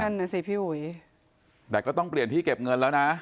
นั่นน่ะสิพี่อุ๋ยแต่ก็ต้องเปลี่ยนที่เก็บเงินแล้วนะ